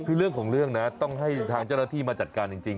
คือเรื่องของเรื่องนะต้องให้ทางเจ้าหน้าที่มาจัดการจริง